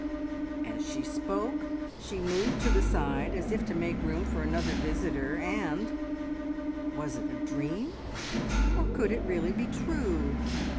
As she spoke she moved to the side, as if to make room for another visitor, and was it a dream, or could it really be true?